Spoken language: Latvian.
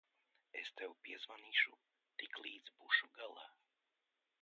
Es tev piezvanīšu, tiklīdz būšu galā.